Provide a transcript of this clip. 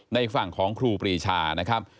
ในฝั่งของครูปรีชานะครับ